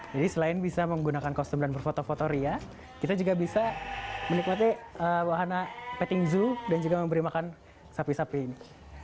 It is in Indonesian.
jadi selain bisa menggunakan kostum dan berfoto foto ria kita juga bisa menikmati bahan petting zoo dan juga memberi makan sapi sapi ini